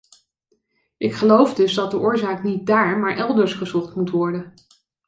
Ik geloof dus dat de oorzaak niet daar maar elders gezocht moet worden.